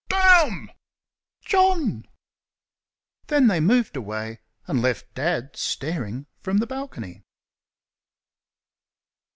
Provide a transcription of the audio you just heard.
"Damn !" "JOHN!" Then they moved away and left Dad staring from the balcony.